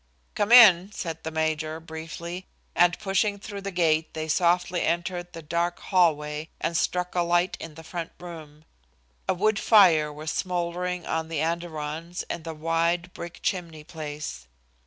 "Come in," said the major, briefly, and, pushing through the gate they softly entered the dark hallway and struck a light in the front room. A wood fire was smouldering on the andirons in the wide brick chimney place.